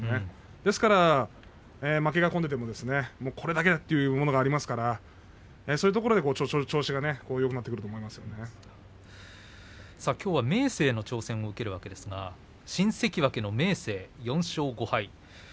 ですから負けが込んでいてもこれだけはというものがありますからそういうところで調子がきょうは明生の挑戦を受けるわけですが新関脇の明生、４勝５敗。